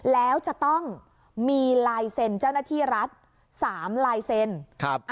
แล้วจะต้องมีลายเซ็นต์เจ้าหน้าที่รัฐ๓ลายเซ็นต์